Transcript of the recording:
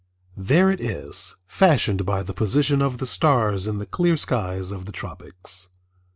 There it is, fashioned by the position of the stars in the clear skies of the tropics.